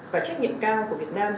và trách nhiệm cao của việt nam